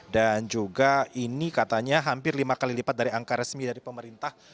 dan juga ini katanya hampir lima kali lipat dari angka resmi dari pemerintah